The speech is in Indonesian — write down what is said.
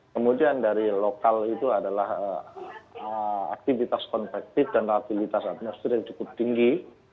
kemudian dari lokal itu adalah aktivitas konvektif dan ratilitas atmosfer yang cukup tinggi